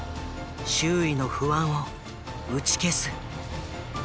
周囲の不安を打ち消す。